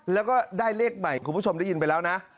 แล้วก็ได้เลขใหม่คุณผู้ชมได้ยินไปแล้วนะ